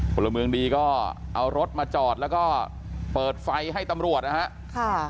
พลเมืองดีก็เอารถมาจอดแล้วก็เปิดไฟให้ตำรวจนะฮะ